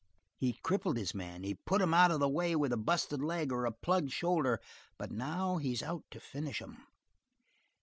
He crippled his men; he put 'em out of the way with a busted leg or a plugged shoulder; but now he's out to finish 'em.